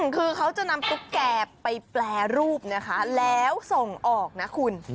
คือเขาจะนำตุ๊กแก่ไปแปรรูปนะคะแล้วส่งออกนะคุณ